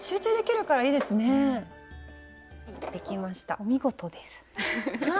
お見事です。